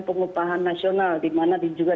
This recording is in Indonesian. pengupahan nasional di mana juga